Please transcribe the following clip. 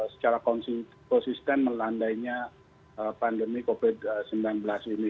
secara konsisten melandainya pandemi covid sembilan belas ini